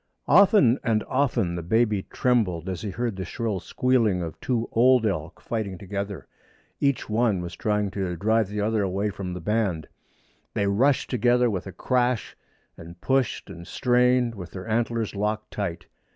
Often and often the baby trembled as he heard the shrill squealing of two old elk fighting together. Each one was trying to drive the other away from the band. They rushed together with a crash, and pushed and strained, with their antlers locked tight.